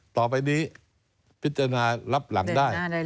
ต่อไปนี้พิจารณารับหลังได้